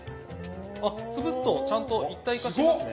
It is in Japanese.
あ潰すとちゃんと一体化しますね。